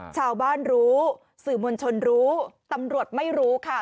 ชาวบ้านรู้สื่อมวลชนรู้ตำรวจไม่รู้ค่ะ